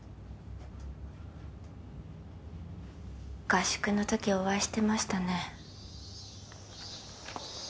合宿の時お会いしてましたね